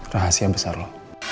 rahasia besar lo